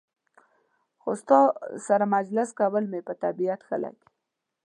خو ستا سره مجلس کول مې په طبیعت ښه لګي.